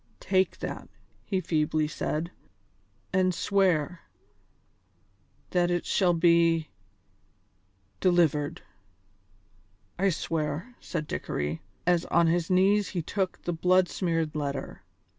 "Take that," he feebly said, "and swear ... that it shall be ... delivered." "I swear," said Dickory, as on his knees he took the blood smeared letter.